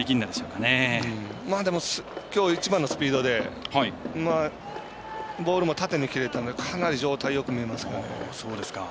きょう一番のスピードでボールも縦に切れてかなり状態よく見えますね。